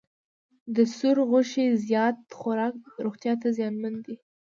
د سور غوښې زیات خوراک روغتیا ته زیانمن دی.